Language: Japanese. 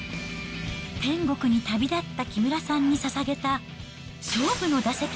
天国に旅立った木村さんにささげた勝負の打席。